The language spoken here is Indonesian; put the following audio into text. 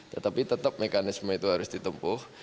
tetapi tetap mekanisme itu harus ditempuh